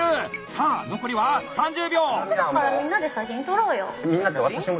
さあ残りは３０秒。